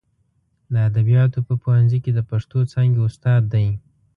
د ادبیاتو په پوهنځي کې د پښتو څانګې استاد دی.